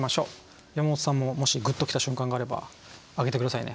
山本さんももしグッときた瞬間があれば挙げて下さいね。